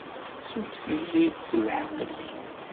Ssukkes-iyi-d s lḥeqq-ik.